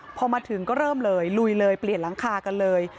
พอมาถึงก็เริ่มเลยลุยเลยเปลี่ยนหลังคากันเลย